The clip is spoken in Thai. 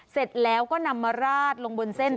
เสร็จแล้วก็นำมาราดลงบนเส้น